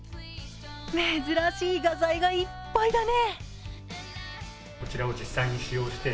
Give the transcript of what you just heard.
珍しい画材がいっぱいだね。